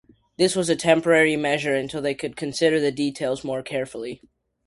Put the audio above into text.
This was a temporary measure until they could consider the details more carefully.